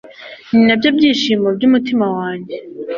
ni na byo byishimo by'umutima wanjye